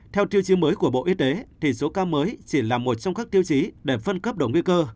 theo tiêu chí mới của bộ y tế thì số ca mới chỉ là một trong các tiêu chí để phân cấp độ nguy cơ